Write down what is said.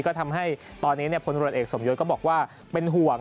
ก็ทำให้ตอนนี้เนี่ยผลรวจเอกสมยดภุมภัณฑ์ก็บอกว่าเป็นห่วง